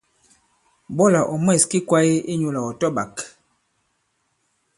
Ɓɔlà ɔ̀ mwɛ̂s ki kwāye inyūlà ɔ̀ tɔ-ɓāk.